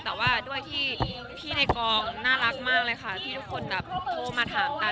แต่ว่าด้วยที่พี่ในกองน่ารักมากเลยค่ะที่ทุกคนแบบโทรมาถามกัน